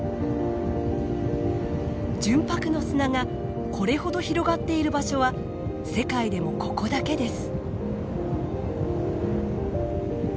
純白の砂がこれほど広がっている場所は世界でもここだけです。